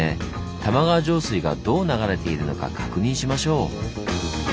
玉川上水がどう流れているのか確認しましょう。